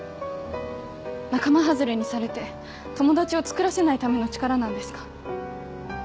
仲間外れにされて友達をつくらせないための力なんですか？